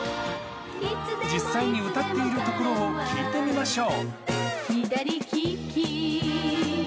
実際に歌っているところを聴いてみましょう。